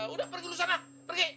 udah pergi dulu sana pergi